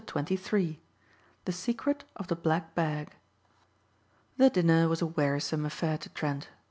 CHAPTER XXIII THE SECRET OF THE BLACK BAG THE dinner was a wearisome affair to Trent.